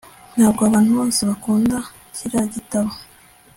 ntabwo abantu bose bakunda kiriya gitabo